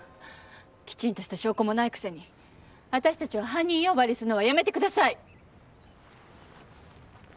きちんとした証拠もないくせにわたしたちを犯人呼ばわりするのはやめてください！